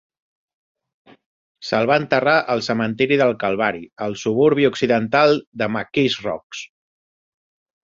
Se'l va enterrar al cementeri del Calvari, al suburbi occidental de McKees Rocks.